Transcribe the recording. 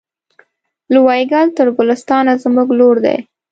له وایګل تر ګلستانه زموږ لور دی